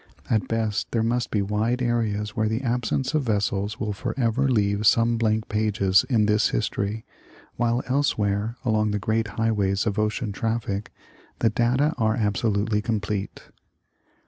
At best, there must be wide areas where the absence of vessels will forever leave some blank pages in this history, while elsewhere, along the great highways of ocean traffic, the data are absolutely complete.